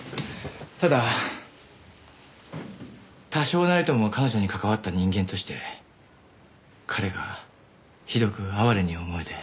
ただ多少なりとも彼女に関わった人間として彼がひどく哀れに思えて。